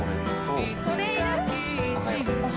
いつかキッチンを